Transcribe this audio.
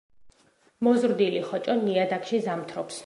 მოზრდილი ხოჭო ნიადაგში ზამთრობს.